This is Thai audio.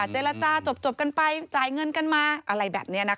เจรจาจบกันไปจ่ายเงินกันมาอะไรแบบนี้นะคะ